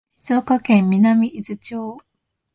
静岡県南伊豆町